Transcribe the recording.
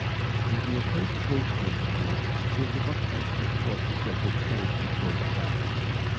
In the interpretation of the dream it is of utmost importance that this change be traced back.